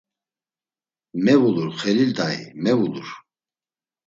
“Mevulur Xelil Dai… Mevulur.”